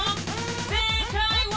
「正解は」